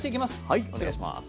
はいお願いします。